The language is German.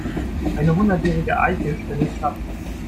Eine hundertjährige Eiche spendet Schatten.